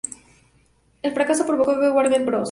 El fracaso provocó que Warner Bros.